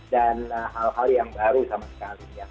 dan hal hal yang baru sama sekali